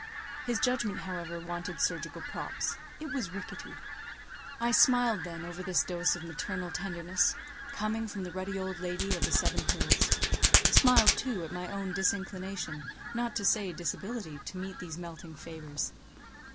His judgment, however, wanted surgical props; it was rickety. I smiled then over this dose of maternal tenderness, coming from the ruddy old lady of the Seven Hills; smiled, too, at my own disinclination, not to say disability, to meet these melting favours.